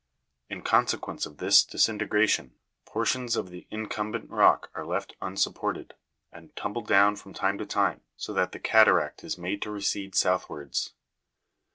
In, consequence of this disintegration, portions of the incumbent rock are left unsupported, and tumble down from time to time, so that the cataract is made to recede southwards.